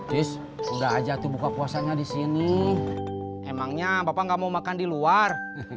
bis udah aja tuh buka puasanya disini emangnya bapak nggak mau makan di luar